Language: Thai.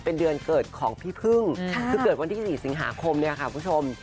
เป็นเดือนเกิดของพี่พึ่งคือเกิดวันที่๔สิงหาคมเนี่ยค่ะคุณผู้ชม